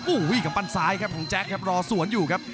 อุ้ยปันซ้ายครับของแจ๊คครับรอส่วนอยู่ครับ